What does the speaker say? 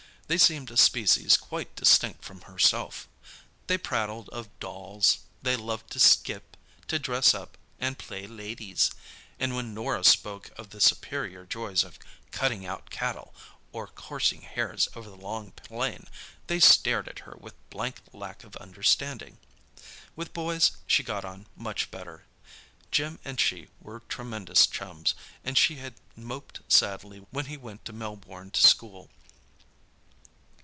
They seemed a species quite distinct from herself. They prattled of dolls; they loved to skip, to dress up and "play ladies"; and when Norah spoke of the superior joys of cutting out cattle or coursing hares over the Long Plain, they stared at her with blank lack of understanding. With boys she got on much better. Jim and she were tremendous chums, and she had moped sadly when he went to Melbourne to school.